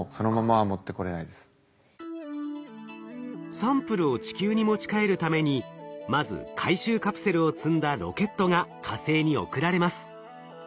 サンプルを地球に持ち帰るためにまず回収カプセルを積んだロケットが火星に送られます。